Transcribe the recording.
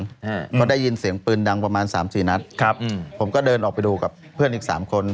อ่าก็ได้ยินเสียงปืนดังประมาณสามสี่นัดครับอืมผมก็เดินออกไปดูกับเพื่อนอีกสามคน